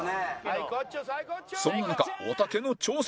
そんな中おたけの挑戦